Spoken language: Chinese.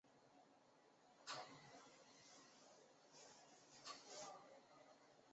喜马拉雅花蟹蛛为蟹蛛科花蟹蛛属的动物。